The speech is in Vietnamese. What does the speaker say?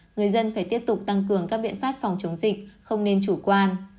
người dân phải tiếp tục tăng cường các biện pháp phòng chống dịch không nên chủ quan